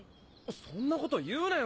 そんなこと言うなよ